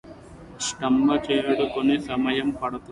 స్తంభం చెక్కడానికి సమయం పడుతుంది